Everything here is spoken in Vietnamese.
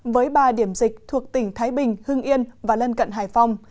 với ba điểm dịch thuộc tỉnh thái bình hưng yên và lân cận hải phòng